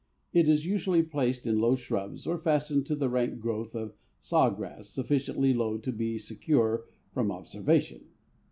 It is usually placed in low shrubs or fastened to the rank growth of saw grass sufficiently low to be secure from observation.